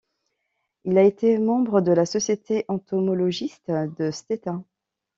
Il a été membre de la Société entomologiste de Stettin.